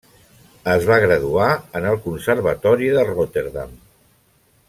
Es va graduar en el Conservatori de Rotterdam.